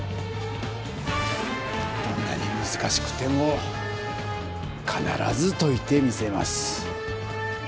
どんなにむずかしくてもかならずといてみせます！